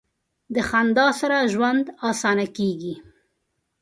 د خندا سره ژوند اسانه کیږي.